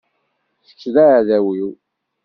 Kečč daεdaw-iw.